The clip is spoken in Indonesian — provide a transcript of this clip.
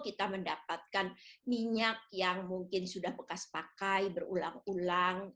kita mendapatkan minyak yang mungkin sudah bekas pakai berulang ulang